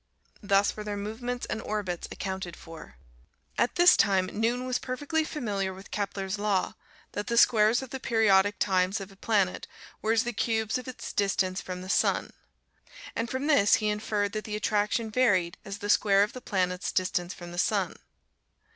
Thus were their movements and orbits accounted for. At this time Newton was perfectly familiar with Kepler's Law, that the squares of the periodic times of a planet were as the cubes of its distance from the sun. And from this, he inferred that the attraction varied as the square of the planet's distance from the sun.